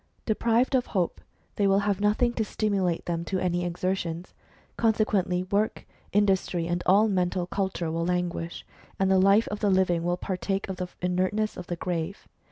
Deprived of hope, they will have nothing to stimulate them to any exertions ; conse quently work, industry, and all mental culture will languish, and the life of the living will partake of the inertness of the grave.